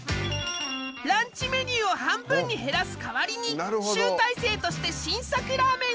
ランチメニューを半分に減らす代わりに集大成として新作ラーメンを作りたい！